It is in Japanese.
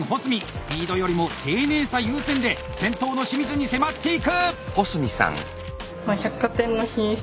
スピードよりも丁寧さ優先で先頭の清水に迫っていく！